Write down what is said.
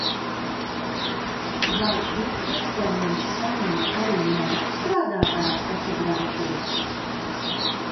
Vai ir iespējams saņemt arī neapstrādātās fotogrāfijas?